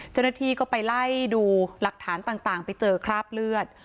เจ้าหน้าที่ก็ไปไล่ดูหลักฐานต่างไปเจอคราบเลือด